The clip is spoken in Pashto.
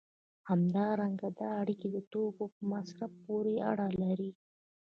همدارنګه دا اړیکې د توکو په مصرف پورې اړه لري.